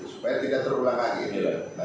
supaya tidak terulang lagi